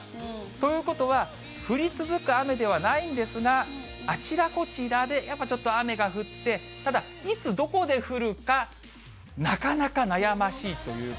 ということは、降り続く雨ではないんですが、あちらこちらで、やっぱちょっと雨が降って、ただ、いつ、どこで降るか、読みにくいですね。